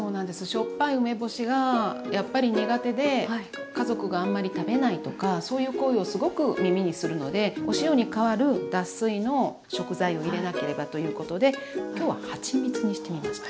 しょっぱい梅干しがやっぱり苦手で家族があんまり食べないとかそういう声をすごく耳にするのでお塩に代わる脱水の食材を入れなければということで今日ははちみつにしてみました。